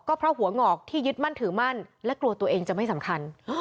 เพราะหัวหงอกที่ยึดมั่นถือมั่นและกลัวตัวเองจะไม่สำคัญ